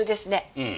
うん。